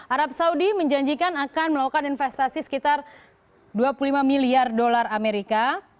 arab saudi menjanjikan akan melakukan investasi sekitar dua puluh lima miliar dolar amerika